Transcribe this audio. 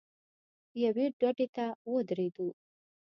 یوې ډډې ته ودرېدو.